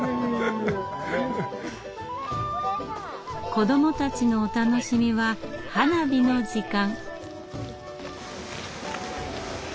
子どもたちのお楽しみは花火の時間。